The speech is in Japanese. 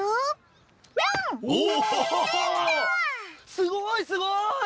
すごいすごい！